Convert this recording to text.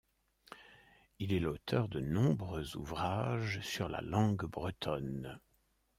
Il est l'auteur de nombreux ouvrages sur la langue bretonne.